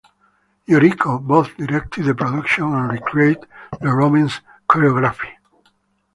Yuriko both directed the production and recreated the Robbins choreography.